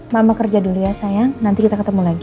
mama kerja dulu ya saya nanti kita ketemu lagi